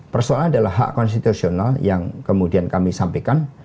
persoalan adalah hak konstitusional yang kemudian kami sampaikan